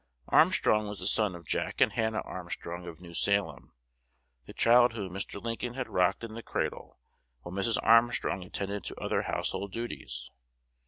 Armstrong was the son of Jack and Hannah Armstrong of New Salem, the child whom Mr. Lincoln had rocked in the cradle while Mrs. Armstrong attended to other household duties.